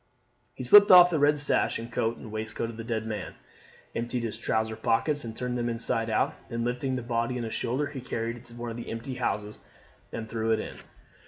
He slipped off the red sash and coat and waistcoat of the dead man, emptied his trouser pockets and turned them inside out, then lifting the body on his shoulder he carried it to one of the empty houses and threw it down.